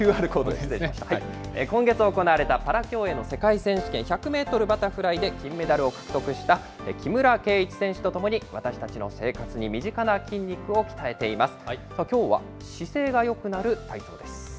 今月行われたパラ競泳の世界選手権、１００メートルバタフライで金メダルを獲得した木村敬一選手と共に、私たちの生活に身近な筋肉を鍛えています。